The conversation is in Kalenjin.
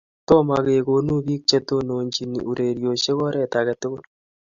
Tomo kekonu biik chetononchini ureriosiek oret age tugul.